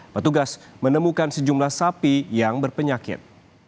petugas menemukan sejumlah sapi yang berpenyakit